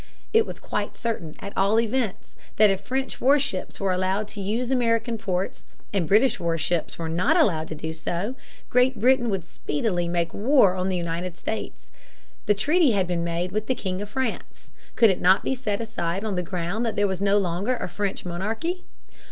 It was quite certain, at all events, that if French warships were allowed to use American ports, and British warships were not allowed to do so, Great Britain would speedily make war on the United States. The treaty had been made with the King of France. Could it not be set aside on the ground that there was no longer a French monarchy?